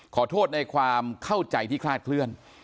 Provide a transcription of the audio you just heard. ขอโทษในความเข้าใจที่คลาดเคลื่อน